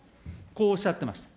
こうおっしゃってました。